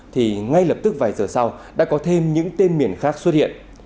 thì ngay lập tức vài giờ sau đã có thêm những tên miền khác xuất hiện